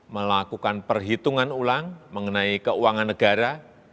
melakukan perhitungan ulang mengenai keuangan negara